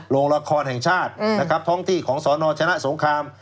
โรงละครแห่งชาตินะครับท้องที่ของสนชนะสงคราม